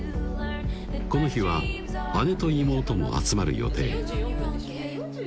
この日は姉と妹も集まる予定